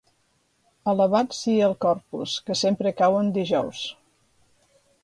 Alabat sia el Corpus que sempre cau en dijous!